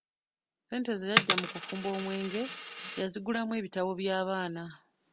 Ssente ze yaggyanga mu kfumba omwenge yazigulangamu bitabo bya baana.